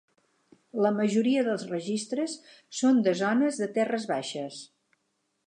La majoria dels registres són de zones de terres baixes.